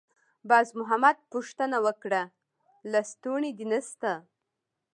باز محمد پوښتنه وکړه: «لستوڼی دې نشته؟»